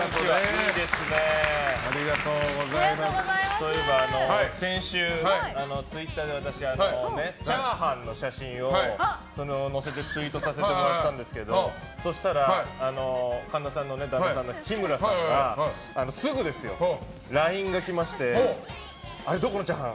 そういえば先週、ツイッターで私、チャーハンの写真を載せてツイートさせてもらったんですけどそしたら、神田さんの旦那さんの日村さんがすぐ、ＬＩＮＥが来ましてあれ、どこのチャーハン？